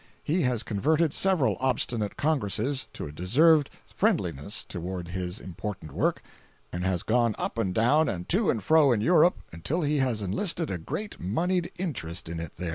He has converted several obstinate Congresses to a deserved friendliness toward his important work, and has gone up and down and to and fro in Europe until he has enlisted a great moneyed interest in it there.